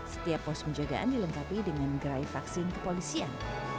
setiap pos penjagaan dilengkapi dengan gerai vaksin kepolisian